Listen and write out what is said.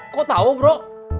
kok tau bro